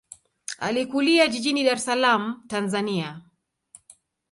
Alikulia jijini Dar es Salaam, Tanzania.